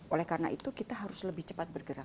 oleh karena itu kita harus lebih cepat bergerak